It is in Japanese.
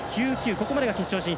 ここまでが決勝進出。